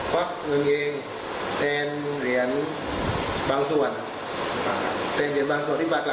ควักเงินเองแทนเหรียญบางส่วน